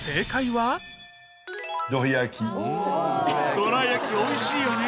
どら焼きおいしいよね。